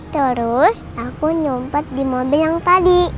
terus aku nyompat di mobil yang tadi